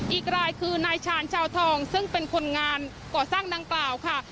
อีกรายคือนายชาญชาวทองซึ่งเป็นคนงานก่อสร้างดังกล่าวค่ะ